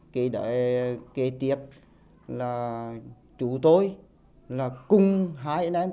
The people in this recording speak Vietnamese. kế tiếp là chú tôi là cùng hai anh em